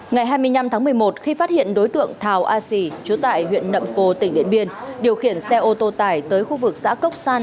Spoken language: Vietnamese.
ngày hai mươi năm tháng một mươi một khi phát hiện đối tượng thảo a sì chú tại huyện nậm pồ tỉnh điện biên điều khiển xe ô tô tải tới khu vực xã cốc san